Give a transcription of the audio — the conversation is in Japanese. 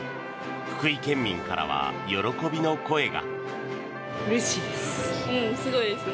福井県民からは喜びの声が。